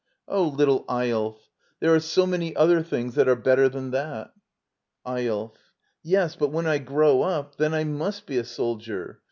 Oh, little Eyolf, there are so many other things that are better than that. ^^YOLF. Yes ; but when I grow up, then I must ^ ^e a soldier.